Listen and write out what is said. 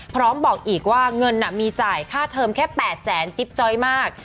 พร้อมบอกอีกว่าเงินมีจ่ายค่าเทิมแค่๘แสนจิ๊บจ้อยมาก